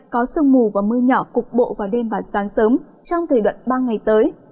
có sương mù và mưa nhỏ cục bộ vào đêm và sáng sớm trong thời đoạn ba ngày tới